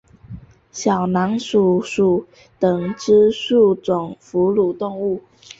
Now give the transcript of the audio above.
小囊鼠属等之数种哺乳动物。